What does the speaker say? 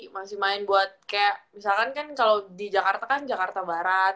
masih main buat kayak misalkan kan kalau di jakarta kan jakarta barat